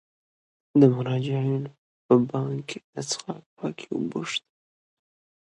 د مراجعینو لپاره په بانک کې د څښاک پاکې اوبه شته.